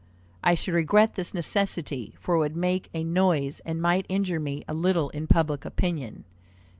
I should regret this necessity, for it would make a noise and might injure me a little in public opinion.